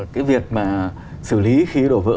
cái việc mà xử lý khi đổ vỡ